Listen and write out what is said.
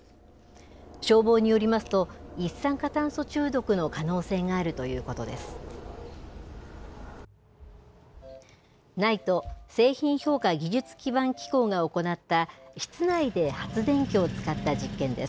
消防によりますと、一酸化炭素中毒の可能性があるということです。